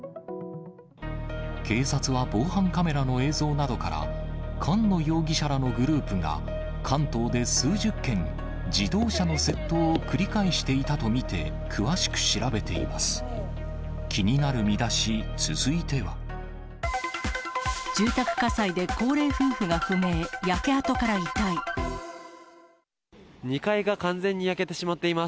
警察は防犯カメラの映像などから、菅野容疑者らのグループが、関東で数十件、自動車の窃盗を繰り返していたと見て、詳しく調べています。